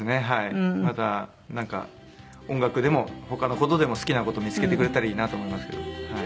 またなんか音楽でも他の事でも好きな事見つけてくれたらいいなと思いますけども。